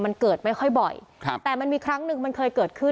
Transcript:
มันเกิดไม่ค่อยบ่อยครับแต่มันมีครั้งหนึ่งมันเคยเกิดขึ้น